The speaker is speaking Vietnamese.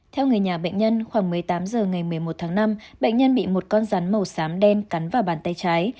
theo người nhà bệnh nhân khoảng một mươi tám h ngày một mươi một tháng năm bệnh nhân bị một con rắn màu xám đen cắn vào bàn tay trái